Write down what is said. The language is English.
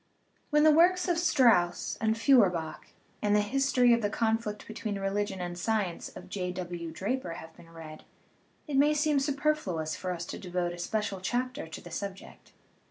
When the works of Strauss and Feuerbach and The History of the Conflict between Religion and Science of J. W. Draper have been read, it may seem superfluous for us to devote a special chapter to the subject.